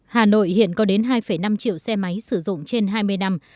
hà nội hiện có đến hai năm triệu xe máy sử dụng trên hai mươi năm